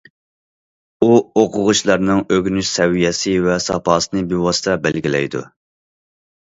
ئۇ، ئوقۇغۇچىلارنىڭ ئۆگىنىش سەۋىيەسى ۋە ساپاسىنى بىۋاسىتە بەلگىلەيدۇ.